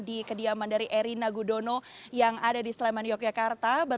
di kediaman dari erina gudono yang ada di sleman yogyakarta